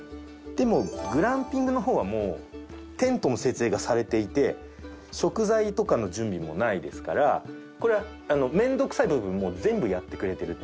グランピングの方はもうテントの設営がされていて食材とかの準備もないですからこれ面倒くさい部分もう全部やってくれてるっていう。